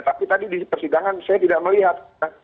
tapi tadi di persidangan saya tidak melihat